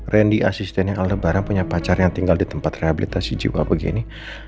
randy asistennya kalau lebaran punya pacar yang tinggal di tempat rehabilitasi jiwa begini